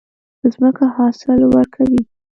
ځمکه حاصل ورکوي.